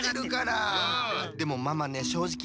でもママねしょうじき